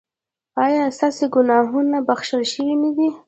ایا ستاسو ګناهونه بښل شوي نه دي؟